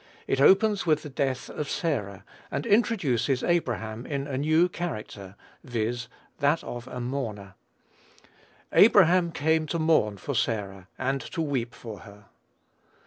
It opens with the death of Sarah, and introduces Abraham in a new character, viz., that of a mourner. "Abraham came to mourn for Sarah, and to weep for her."